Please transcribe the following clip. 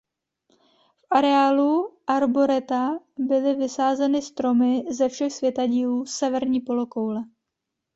V areálu arboreta byly vysázeny stromy ze všech světadílů severní polokoule.